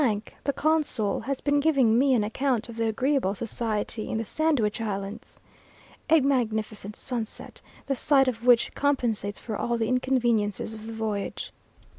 the consul, has been giving me an account of the agreeable society in the Sandwich Islands! A magnificent sunset, the sight of which compensates for all the inconveniences of the voyage.